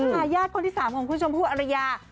นะคะญาติคนที่สามของคุณผู้ชมพูดอรรยา